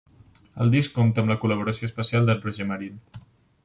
El disc compta amb la col·laboració especial d'en Roger Marín.